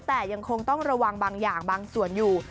แต่ยังคงต้องระวังบางอย่างบางส่วนอยู่